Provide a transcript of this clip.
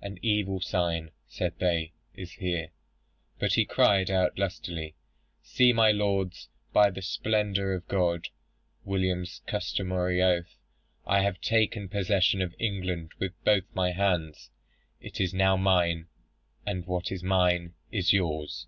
'An evil sign,' said they, 'is here.' But he cried out lustily, 'See, my lords! by the splendour of God, [William's customary oath.] I have taken possession of England with both my hands. It is now mine; and what is mine is yours.'